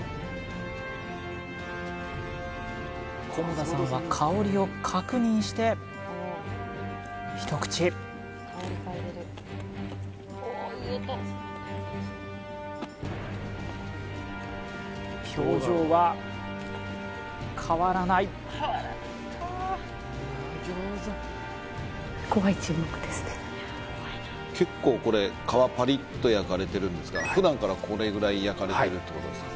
菰田さんは香りを確認して一口表情は変わらない結構これ皮パリッと焼かれてるんですが普段からこれぐらい焼かれてるってことですか？